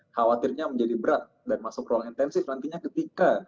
khawatirnya menjadi berat dan masuk ruang intensif nantinya ketika